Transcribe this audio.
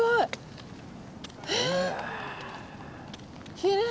きれい。